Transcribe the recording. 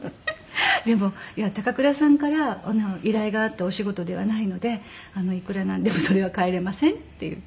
でも「高倉さんから依頼があったお仕事ではないのでいくらなんでもそれは帰れません」って言って。